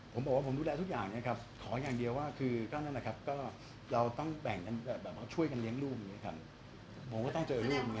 ผมบอกว่าผมดูแลทุกอย่างเนี่ยครับขออย่างเดียวว่าคือก็นั่นนะครับก็เราต้องแบ่งกันแบบช่วยกันเลี้ยงลูกเนี่ยครับผมก็ต้องเจอลูกเนี่ย